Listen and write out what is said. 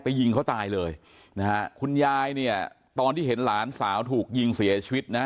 ยิงเขาตายเลยนะฮะคุณยายเนี่ยตอนที่เห็นหลานสาวถูกยิงเสียชีวิตนะ